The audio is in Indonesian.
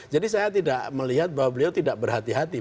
jadi saya tidak melihat bahwa beliau tidak berhati hati